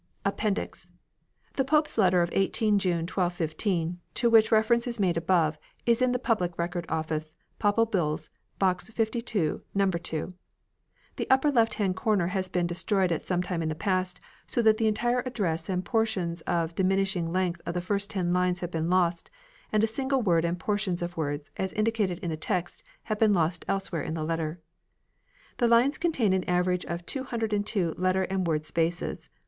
APPENDIX. The Pope's letter of 18 June, 1215, to which refer ence is made above, is in the Public Record Office, Papal Bulls, Box 52, No. 2. The upper left hand corner has been destroyed at some time in the past, so that the entire address and portions of diminishing length of the first ten lines have been lost, and a single word and portions of words, as indicated in the text, have been lost elsewhere in the letter. The lines contain an average of 202 letter and word spaces.